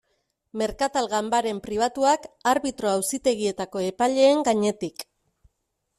Merkatal ganbaren pribatuak arbitro auzitegietako epaileen gainetik.